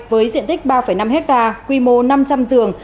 với diện tích ba năm hectare quy mô năm trăm linh giường